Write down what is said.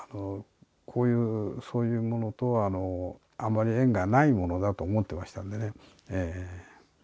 そういうものとはあまり縁がないものだと思ってましたんでね。